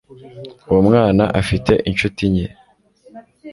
uwo mwana afite inshuti nke